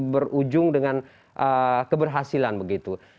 berujung dengan keberhasilan begitu